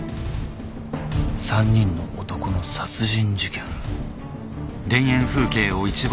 ［３人の男の殺人事件］